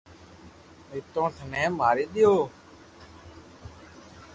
نيتوڻ ٿني ماري دآئو